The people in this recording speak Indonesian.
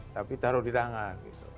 tapi taruh di tangan